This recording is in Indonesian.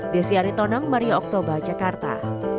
desyari tonang maria oktober jakarta